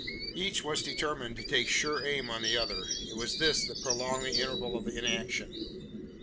Each was determined to take sure aim on the other. It was this that prolonged the interval of inaction.